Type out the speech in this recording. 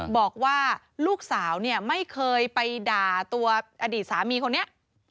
บอกว่าลูกสาวเนี่ยไม่เคยไปด่าตัวอดีตสามีคนนี้